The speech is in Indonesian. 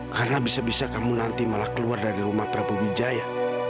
karena bisa bisa kamu nanti malah keluar dari rumah prabu wijaya